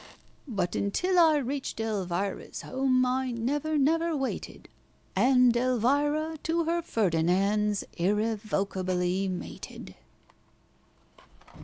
But until I reached ELVIRA'S home, I never, never waited, And ELVIRA to her FERDINAND'S irrevocably mated!